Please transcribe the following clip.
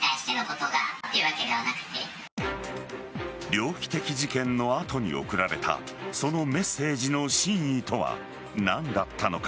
猟奇的事件の後に送られたそのメッセージの真意とは何だったのか。